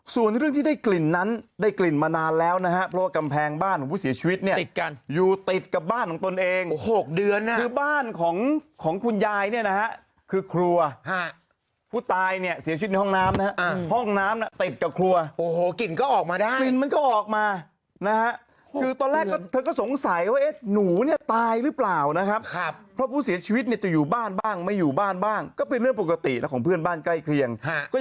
ส่วนเรื่องที่ได้กลิ่นนั้นได้กลิ่นมานานแล้วนะฮะเพราะกำแพงบ้านผู้เสียชีวิตเนี่ยอยู่ติดกับบ้านของตนเอง๖เดือนน่ะคือบ้านของคุณยายเนี่ยนะฮะคือครัวผู้ตายเนี่ยเสียชีวิตในห้องน้ำนะฮะห้องน้ำติดกับครัวโอ้โหกลิ่นก็ออกมาได้กลิ่นมันก็ออกมานะฮะคือตอนแรกเธอก็สงสัยว่าเนี่ยหนูเนี่ยต